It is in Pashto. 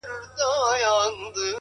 د چا د سترگو د رڼا په حافظه کي نه يم”